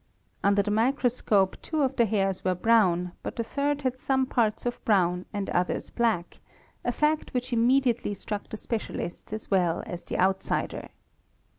Under the microscope two of the hairs were brown but the third had some parts brown and others black, a fact which immediately struck the specialists as well as the outsider.